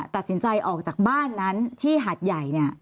ตัดสินใจออกจากบ้านนั้นที่หัดใหญ่